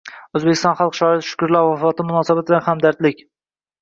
Oʻzbekiston xalq shoiri Shukrullo vafoti munosabati bilan hamdardlik